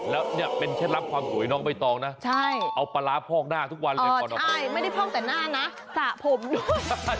แล้วเนี่ยเป็นเคล็ดลับความสวยน้องใบตองนะเอาปลาร้าพอกหน้าทุกวันเลยก่อนออกใช่ไม่ได้พอกแต่หน้านะสระผมด้วย